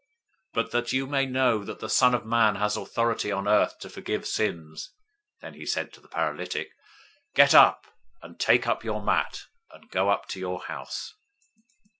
009:006 But that you may know that the Son of Man has authority on earth to forgive sins..." (then he said to the paralytic), "Get up, and take up your mat, and go up to your house."